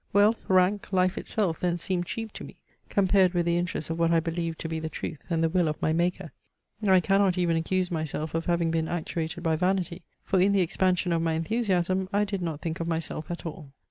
Wealth, rank, life itself then seemed cheap to me, compared with the interests of what I believed to be the truth, and the will of my Maker. I cannot even accuse myself of having been actuated by vanity; for in the expansion of my enthusiasm I did not think of myself at all.